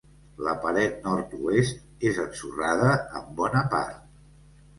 La paret nord-oest és ensorrada en bona part.